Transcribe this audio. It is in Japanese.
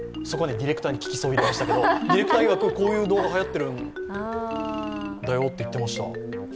ディレクターに聞きそびれましたけどディレクターいわく、こういう動画がはやっているんだよって言っていました。